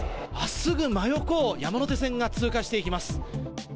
すぐ真横を山手線が通過していきます。